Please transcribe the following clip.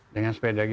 dengan sepeda g